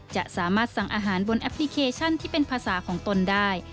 จะสามารถสั่งอาหารบนแอปพลิเคชันที่เป็นภาษาของตนได้